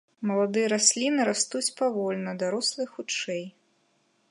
Маладыя расліны растуць павольна, дарослыя хутчэй.